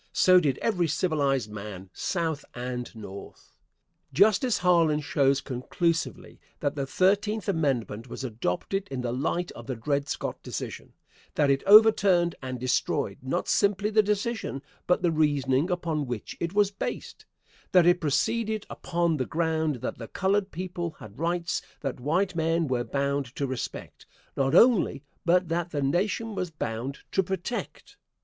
So did every civilized man, South and North. Justice Harlan shows conclusively that the Thirteenth Amendment was adopted in the light of the Dred Scott decision; that it overturned and destroyed, not simply the decision, but the reasoning upon which it was based; that it proceeded upon the ground that the colored people had rights that white men were bound to respect, not only, but that the Nation was bound to protect.